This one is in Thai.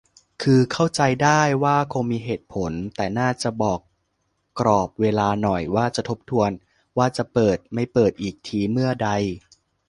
คือเข้าใจได้ว่าคงมีเหตุผล แต่น่าจะบอกกรอบเวลาหน่อย ว่าจะทบทวนว่าจะเปิด-ไม่เปิดอีกทีเมื่อใด